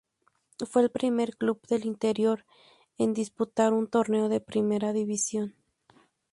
Fue el primer club del interior en disputar un torneo de primera división.